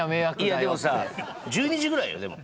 いやでもさ１２時ぐらいよでも。